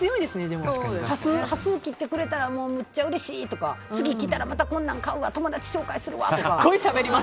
端数切ってくれたらむっちゃうれしいとか次来たらまた買うわ友達紹介するわとか。